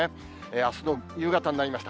あすの夕方になりました。